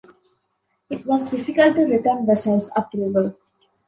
It was difficult to return vessels upriver.